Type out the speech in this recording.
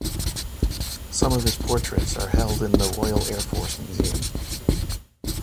Some of his portraits are held in the Royal Air Force Museum.